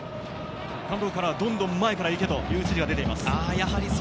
どんどん前から行けという指示が出ています。